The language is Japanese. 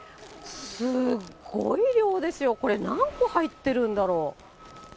すごい量ですよ、これ、何個入ってるんだろう。